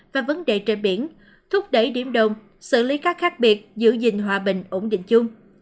và vấn đề trên biển thúc đẩy điểm đồng xử lý các khác biệt giữ gìn hòa bình ổn định chung